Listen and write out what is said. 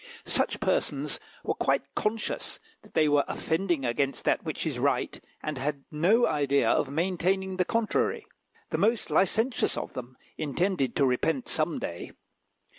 Such persons were quite conscious that they were offending against that which is right, and had no idea of maintaining the contrary. The most licentious of them intended to repent some day.